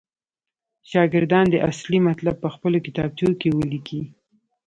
شاګردان دې اصلي مطلب پخپلو کتابچو کې ولیکي.